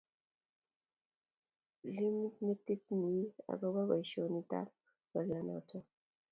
Iimi metit nyi akoba boishet ab ngoliot noto